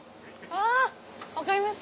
あぁ分かりました？